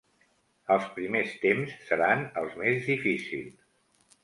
Els primers temps seran els més difícils.